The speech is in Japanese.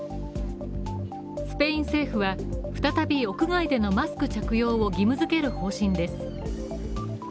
スペイン政府は再び屋外でのマスク着用を義務付ける方針です。